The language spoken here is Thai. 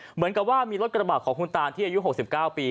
เหมือนกับว่ามีรถกระบะของคุณตานที่อายุ๖๙ปี